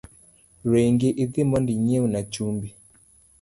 Ringi idhi mondo inyiewna chumbi.